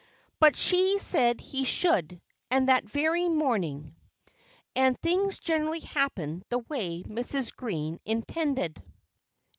But she said he should, and that very morning. And things generally happened the way Mrs. Green intended.